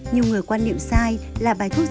nhiều người quan niệm sai là bài thuốc